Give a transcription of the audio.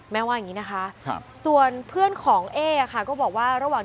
งั้นคุณอาจคิดมากเมื่อคุณผู้ชมของจะทราบเจ่สัน